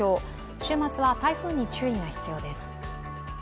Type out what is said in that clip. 週末は台風に注意が必要です。